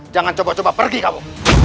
jangan coba coba pergi kamu